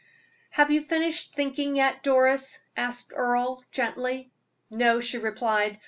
"Have you finished thinking yet, Doris?" asked Earle, gently. "No," she replied.